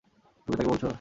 তুমিই তাকে বলছো?